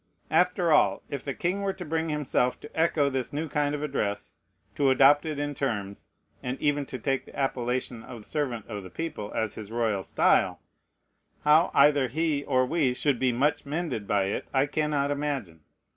After all, if the king were to bring himself to echo this new kind of address, to adopt it in terms, and even to take the appellation of Servant of the People as his royal style, how either he or we should be much mended by it I cannot imagine.